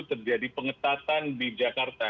terjadi pengetatan di jakarta